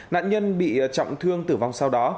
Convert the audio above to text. nạn nhân bị trọng thương tử vong sau đó